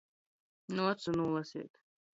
Nu ocu nūlaseit.